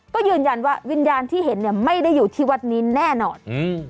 ก็ยืนยันว่าวิญญาณที่เห็นเนี่ยไม่ได้อยู่ที่วัดนี้แน่นอน